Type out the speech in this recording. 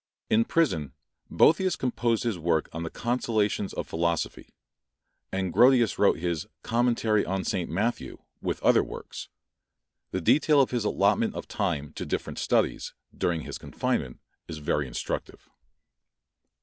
In prison Boethius composed his work on the Consolations of Philosophy; and Grotius wrote his Commentary on Saint Matthew, with other works: the detail of his allotment of time to different studies, during his confinement, is very instructive.